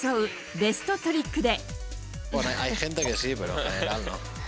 ベストトリックで。